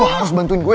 lo harus bantuin gue